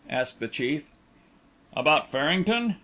asked the chief. "About Farrington?"